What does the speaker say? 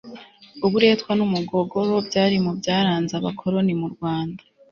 uburetwa n'umugogoro byari mu byaranze abakoroni m'urwanda